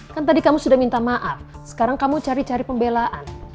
kan tadi kamu sudah minta maaf sekarang kamu cari cari pembelaan